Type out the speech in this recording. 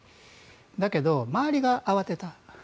だけど周りが慌てた。